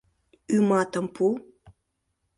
Ӱматым пу.